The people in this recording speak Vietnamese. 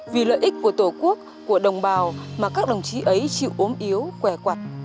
vì lợi ích của tổ quốc của đồng bào mà các đồng chí ấy chịu ốm yếu què quặt